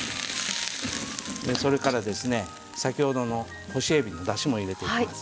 それから先ほどの干しえびのだしも入れていきます。